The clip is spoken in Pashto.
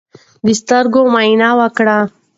د سترګو معاینه وکړئ.